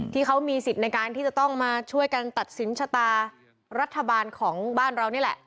ที่เขามีสิทธิ์ในการที่จะต้องมาช่วยกันตัดสินชะตารัฐบาลของบ้านเรานี่แหละ